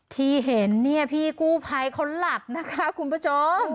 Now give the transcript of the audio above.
ที่เห็นเนี่ยพี่กู้ภัยเขาหลับนะคะคุณผู้ชม